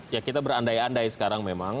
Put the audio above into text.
ya kita berandai andai sekarang memang